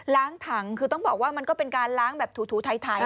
ถังคือต้องบอกว่ามันก็เป็นการล้างแบบถูไถ